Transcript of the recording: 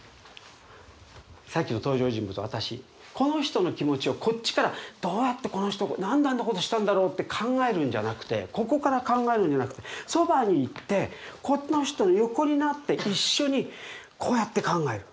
この人の気持ちをこっちから「どうやってこの人何であんなことしたんだろう？」って考えるんじゃなくてここから考えるんじゃなくてそばに行ってこの人の横になって一緒にこうやって考える。